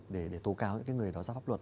để tố cáo những người đó ra pháp luật